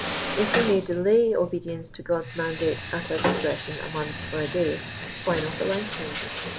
If we may delay obedience to God's mandate^ at oar dlnf^ cretion, a month or a day, why not a life time